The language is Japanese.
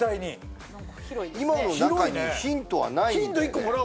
今の中にヒントはないんだよね？